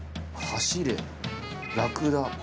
「走れ」「ラクダ」